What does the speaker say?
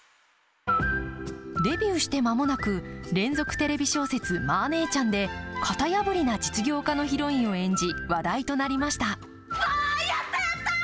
デビューしてまもなく連続テレビ小説、マー姉ちゃんで型破りな実業家のヒロインを演じ話題となりました。